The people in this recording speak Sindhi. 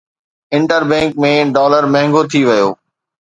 انٽر بئنڪ ۾ ڊالر مهانگو ٿي ويو